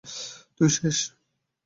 তুই শেষ!